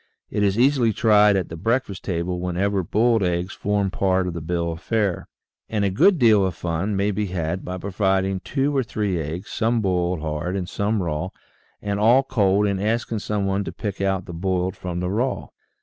It is easily tried at the breakfast table whenever boiled eggs form part of the bill of fare. And a good deal of fun may be had by providing two or three eggs, some boiled hard and some raw and all cold and asking some one to pick out the boiled from the raw.